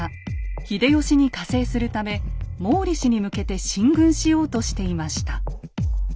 秀吉に加勢するため毛利氏に向けて進軍しようとしていました。